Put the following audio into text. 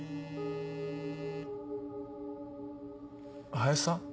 林さん？